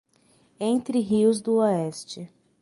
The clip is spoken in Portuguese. Entre Rios do Oeste